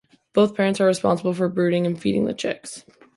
Both parents are responsible for brooding and feeding the chicks.